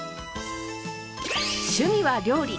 趣味は料理。